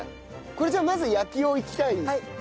これじゃあまず焼きをいきたい。